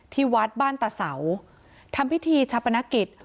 ที่วัดบ้านตะเสาทำพิธีชาปนกิจ